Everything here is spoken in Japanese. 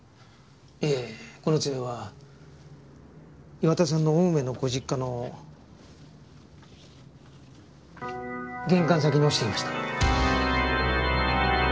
いえこの爪は岩田さんの青梅のご実家の玄関先に落ちていました。